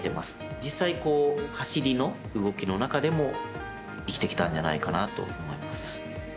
実際、走りの動きの中でも生きてきたんじゃないかなと思います。